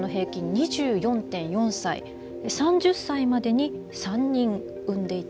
３０歳までに３人産んでいた。